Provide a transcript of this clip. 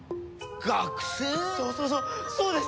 そうそうそうそうです！